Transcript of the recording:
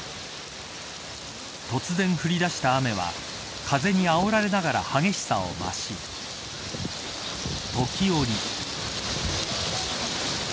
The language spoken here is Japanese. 突然、降り出した雨は風にあおられながら激しさを増し時折。